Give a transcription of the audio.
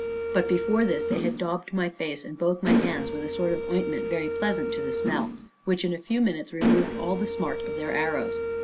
But before this, they had daubed my face, and both my hands, with a sort of ointment very pleasant to the smell, which in a few minutes removed all the smart of their arrows.